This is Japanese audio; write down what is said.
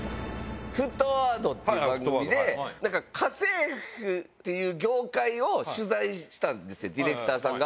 沸騰ワードっていう番組で、なんか家政婦っていう業界を取材したんですよ、ディレクターさんが。